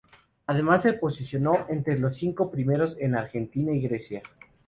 Además se posicionó entre los cinco primeros en Argentina y Grecia.